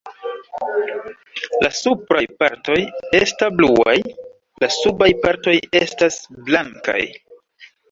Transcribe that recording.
La supraj partoj esta bluaj; la subaj partoj estas blankaj.